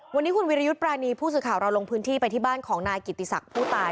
วันนี้คุณวิรยุทธ์ปรานีผู้สื่อข่าวเราลงพื้นที่ไปที่บ้านของนายกิติศักดิ์ผู้ตาย